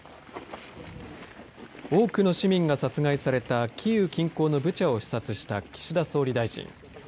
多くの市民が殺害されたキーウ近郊のブチャを視察した岸田総理大臣。